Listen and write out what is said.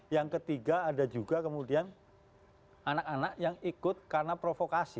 yang ketiga ada juga kemudian anak anak yang ikut karena provokasi